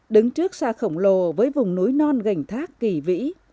đứng trước xa khổng lồ với vùng núi non gành thác kỳ vĩ